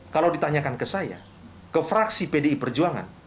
kalau ditanyakan ke saya ke fraksi pdi perjuangan